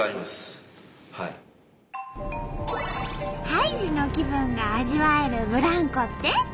ハイジの気分が味わえるブランコって？